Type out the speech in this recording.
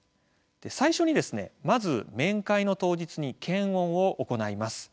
最初にまず面会の当日に検温を行います。